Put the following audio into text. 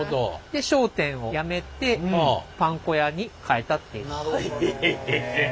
で商店をやめてパン粉屋に変えたっていう。